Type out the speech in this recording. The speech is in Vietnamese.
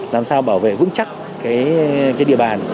làm sao bảo vệ vững chắc cái địa bàn